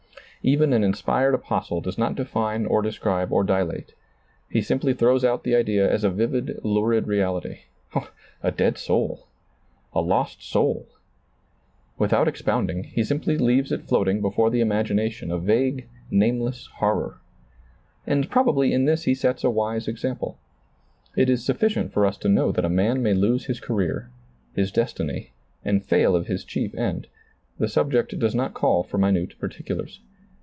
Even an inspired apostle does not define or describe or dilate ; he simply throws out the idea as a vivid, lurid reality — a dead soul ! A lost soul ! Without expounding, he simply leaves it floating before the imagination a vague, name less horror. And probably in this he sets a wise example. It is sufficient for us to know that a man may lose his career, his destiny, and fail of his chief end ; the subject does not call for minute particulars.